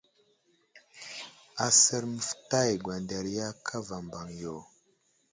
Asər məftay gwanderiya kava mbaŋ yo.